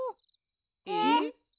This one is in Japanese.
えっ？